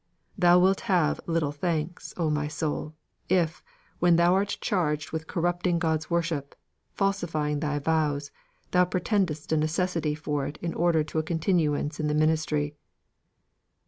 Thou wilt have little thanks, O my soul! if, when thou art charged with corrupting God's worship, falsifying thy vows, thou pretendest a necessity for it in order to a continuance in the ministry."